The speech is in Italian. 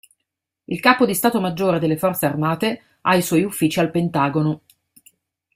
Il capo di stato maggiore delle forze armate ha i suoi uffici al Pentagono.